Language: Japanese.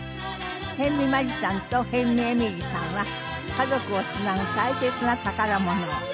辺見マリさんと辺見えみりさんは家族をつなぐ大切な宝物を。